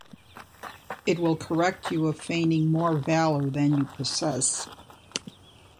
It will correct you of feigning more valour than you possess.